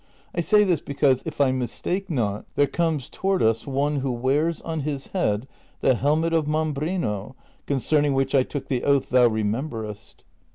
I say this because, if I mistake not, there conies toward us one who wears on his head the helmet of Mambrino, concerning which I took the oath thou remem berest."